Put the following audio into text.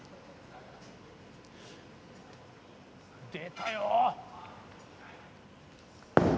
出たよ。